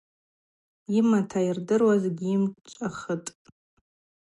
Йымата йырдыруаз гьйымчӏвахытӏ.